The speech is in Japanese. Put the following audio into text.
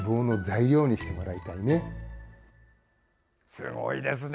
すごいですね。